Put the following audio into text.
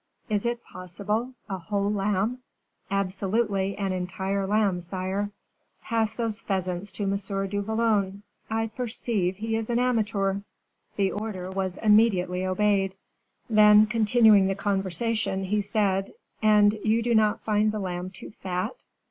Is it possible! a whole lamb!" "Absolutely an entire lamb, sire." "Pass those pheasants to M. du Vallon; I perceive he is an amateur." The order was immediately obeyed. Then, continuing the conversation, he said: "And you do not find the lamb too fat?"